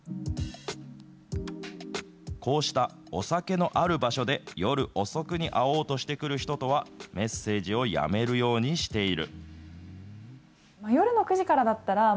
こうしたお酒のある場所で、夜遅くに会おうとしてくる人とは、メッセージをやめるようにしている。